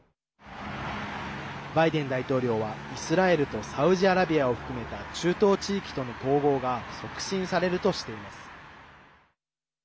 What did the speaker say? バイデン大統領はイスラエルとサウジアラビアを含めた中東地域との統合が促進されるとしています。